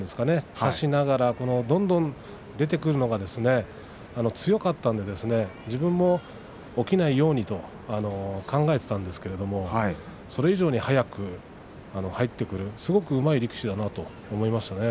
差しながらどんどん出てくるという強かったですね、自分も起きないようにと考えていたんですけれどそれ以上に早く入ってくるすごくうまい力士だなと思いますね。